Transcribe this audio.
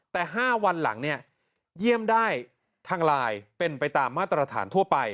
แต่๕วันหลังเนี่ยเยี่ยมได้ทางไลน์เป็นไปตามมาตรฐานทั่วไป